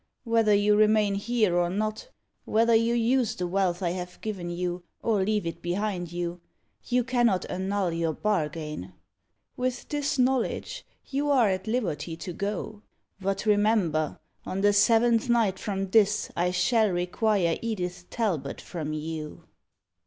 Whether you remain here or not whether you use the wealth I have given you, or leave it behind you you cannot annul your bargain. With this knowledge, you are at liberty to go. But remember, on the seventh night from this I shall require Edith Talbot from you!"